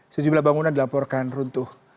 sejumlah bangunan dilaporkan runtuh